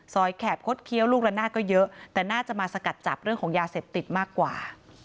แขบคดเคี้ยวลูกละนาดก็เยอะแต่น่าจะมาสกัดจับเรื่องของยาเสพติดมากกว่า